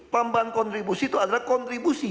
tambahan kontribusi itu adalah kontribusi